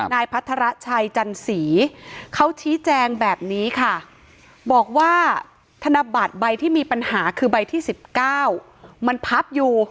พัทรชัยจันสีเขาชี้แจงแบบนี้ค่ะบอกว่าธนบัตรใบที่มีปัญหาคือใบที่๑๙มันพับอยู่